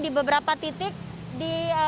di beberapa titik di